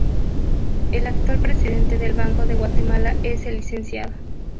El actual Presidente del Banco de Guatemala es el Lic.